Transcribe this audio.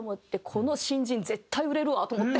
この新人絶対売れるわと思って。